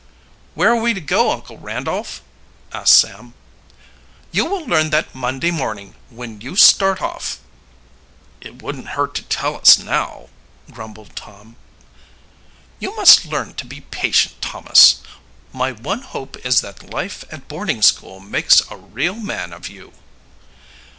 "Where are we to go, Uncle Randolph?" asked Sam. "You will learn that Monday morning, when you start off." "It wouldn't hurt to tell us now," grumbled Tom. "You must learn to be patient, Thomas. My one hope is that life at boarding school makes a real man of you."